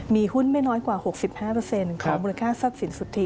มีหุ้นไม่น้อยกว่า๖๕ของมูลค่าทรัพย์สินสุทธิ